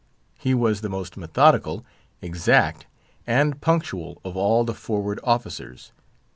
He was the most methodical, exact, and punctual of all the forward officers.